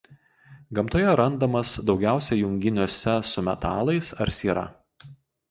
Gamtoje randamas daugiausia junginiuose su metalais ar siera.